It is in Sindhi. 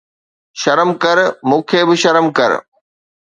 شرم ڪر، مون کي به شرم ڪر